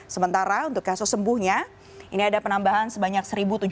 sementara untuk kasus sembuhnya ini ada penambahan sebanyak satu tujuh ratus delapan puluh sembilan